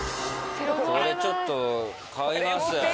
これちょっと。